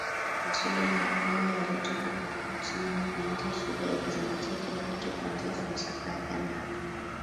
Maswali haya yalitoka kwa wanachama wa kamati ya sheria ikizingatia kila kitu kuanzia falsafa yake ya mahakama